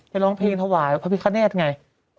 ร้องเพลงถวายพระพิคเนธไง